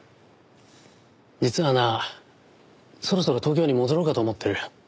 実はなそろそろ東京に戻ろうかと思ってる。